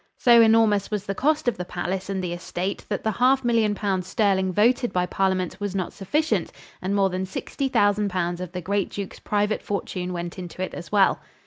So enormous was the cost of the palace and estate that the half million pounds sterling voted by parliament was not sufficient and more than sixty thousand pounds of the great Duke's private fortune went into it as well.